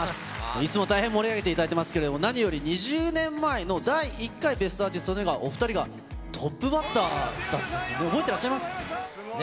いつも大変盛り上げていただいていますけど、２０年前の第１回『ベストアーティスト』ではお２人がトップバッターだったんですよね。